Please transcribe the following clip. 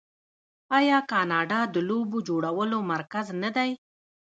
آیا کاناډا د لوبو جوړولو مرکز نه دی؟